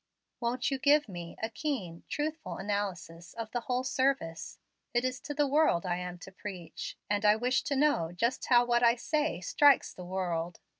Won't you give me a keen, truthful analysis of the whole service? It is to the world I am to preach; and I wish to know just how what I say strikes the world.